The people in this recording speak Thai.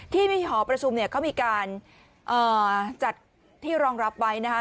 ที่ในหอประชุมเนี่ยเขามีการจัดที่รองรับไว้นะคะ